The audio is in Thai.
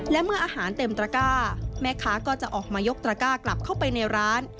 และเมื่ออาหารเต็มตระก้าแม่ค้าก็จะออกมายกตระก้ากลับเข้าไปในร้าน